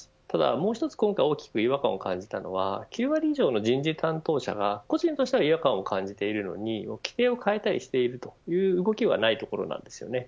ただもう一つ、今回大きく違和感を感じたのは９割以上の人事担当者が個人としては違和感を感じているのに規程を変えたりしていないところです。